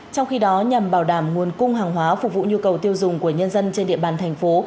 trong khi đó nhằm bảo đảm nguồn cung hàng hóa phục vụ nhu cầu tiêu dùng của nhân dân trên địa bàn thành phố